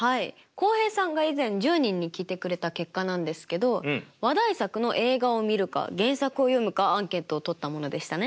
浩平さんが以前１０人に聞いてくれた結果なんですけど話題作の映画をみるか原作を読むかアンケートをとったものでしたね。